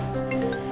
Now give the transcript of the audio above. aku mau ke rumah